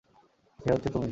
সে হচ্ছে তুমি!